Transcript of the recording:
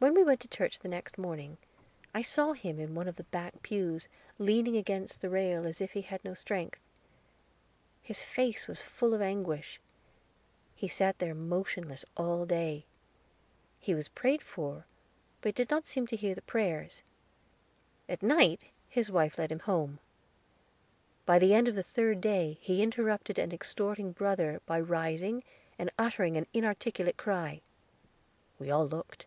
When we went to church the next morning, I saw him in one of the back pews, leaning against the rail, as if he had no strength. His face was full of anguish. He sat there motionless all day. He was prayed for, but did not seem to hear the prayers. At night his wife led him home. By the end of the third day, he interrupted an exhorting brother by rising, and uttering an inarticulate cry. We all looked.